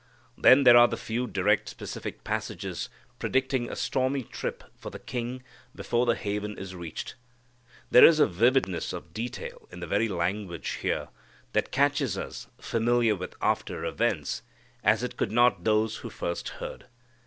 Then there are the few direct specific passages predicting a stormy trip for the king before the haven is reached. There is a vividness of detail in the very language here, that catches us, familiar with after events, as it could not those who first heard.